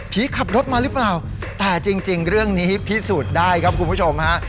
ขับรถมาหรือเปล่าแต่จริงเรื่องนี้พิสูจน์ได้ครับคุณผู้ชมฮะ